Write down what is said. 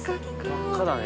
真っ赤だね。